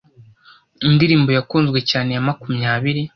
Indirimbo yakunzwe cyane ya makumyabiri